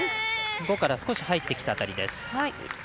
５から少し入ってきた辺りです。